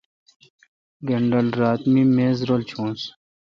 گانڈل رات می میز رل چونس۔